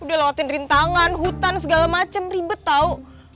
udah lewatin rintangan hutan segala macem ribet tau